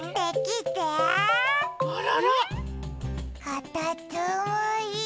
かたつむり。